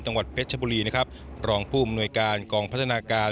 จังหวัดเพชรชบุรีนะครับรองผู้อำนวยการกองพัฒนาการ